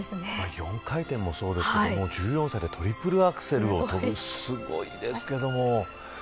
４回転もそうですが１４歳でトリプルアクセルを跳ぶすごいですけども。